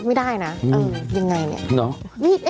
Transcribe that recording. ไม่ได้นะยังไงเนี่ย